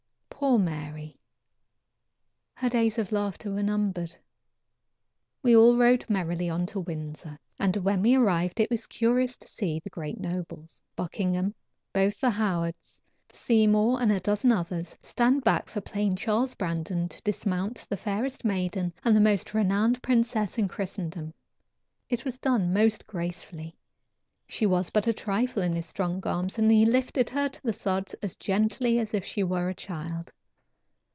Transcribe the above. Poor Mary! Her days of laughter were numbered. We all rode merrily on to Windsor, and when we arrived it was curious to see the great nobles, Buckingham, both the Howards, Seymour and a dozen others stand back for plain Charles Brandon to dismount the fairest maiden and the most renowned princess in Christendom. It was done most gracefully. She was but a trifle to his strong arms, and he lifted her to the sod as gently as if she were a child.